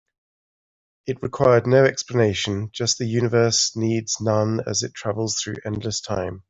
It required no explanation, just as the universe needs none as it travels through endless time.